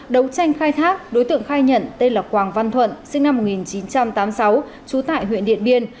đấu tranh khai thác đối tượng khai nhận tên là quảng văn thuận sinh năm một nghìn chín trăm tám mươi sáu trú tại huyện điện biên